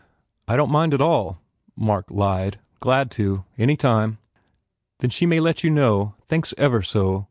"I don t mind at all," Mark lied, "Glad to. Any time." "Then she may let you know? Thanks ever so.